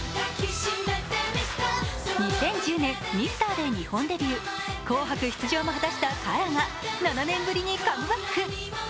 ２０１０年、「ミスター」で日本デビュー「紅白」出場も果たしたＫＡＲＡが７年ぶりにカムバック。